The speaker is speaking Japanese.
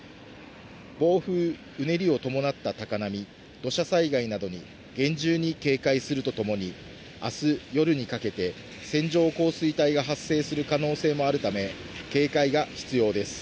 暴風、うねりを伴った高波、土砂災害などに厳重に警戒するとともに、あす夜にかけて、線状降水帯が発生する可能性もあるため警戒が必要です。